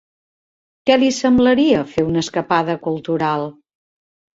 Què li semblaria fer una escapada cultural?